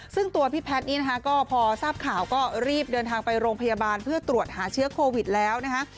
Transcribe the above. ซึ่งตัวพี่แพทย์นี้นะคะก็พอทราบข่าวก็รีบเดินทางไปโรงพยาบาลเพื่อตรวจหาเชื้อโควิดแล้วนะคะ